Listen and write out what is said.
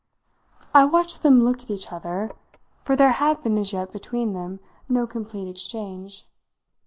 I watched them look at each other, for there had been as yet between them no complete exchange.